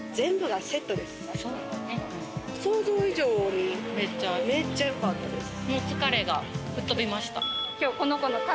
想像以上にめっちゃ良かったです。